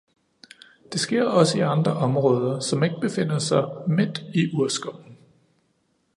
Det sker også i andre områder, som ikke befinder sig midt i urskoven.